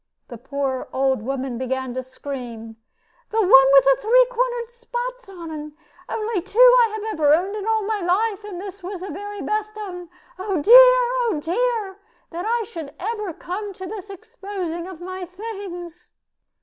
the poor old woman began to scream; "the one with the three cornered spots upon 'un. Only two have I ever owned in all my life, and this was the very best of 'em. Oh dear! oh dear! that ever I should come to this exposing of my things!"